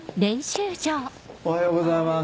おはようございます。